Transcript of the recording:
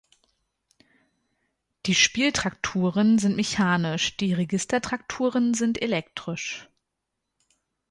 Die Spieltrakturen sind mechanisch, die Registertrakturen sind elektrisch.